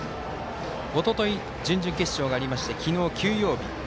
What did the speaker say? おととい準々決勝がありまして昨日、休養日。